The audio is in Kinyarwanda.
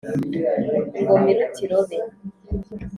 Ingoma iruta irobe